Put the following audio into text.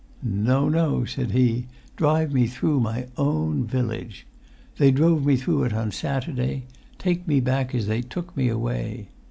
"No, no," said he; "drive me through my own village! They drove me through it on Saturday; take me back as they took me away.